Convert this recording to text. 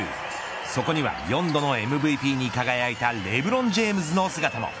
そこには４度のＭＶＰに輝いたレブロン・ジェームズの姿も。